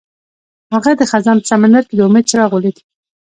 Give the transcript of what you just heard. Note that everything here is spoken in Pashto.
هغه د خزان په سمندر کې د امید څراغ ولید.